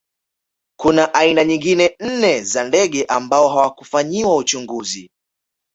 Kuna aina nyingine nne za ndege ambao hawakufanyiwa uchunguzi